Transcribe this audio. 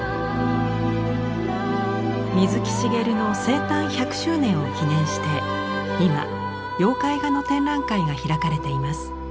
水木しげるの生誕１００周年を記念して今妖怪画の展覧会が開かれています。